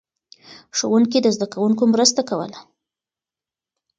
ښوونکي د زده کوونکو مرسته کوله.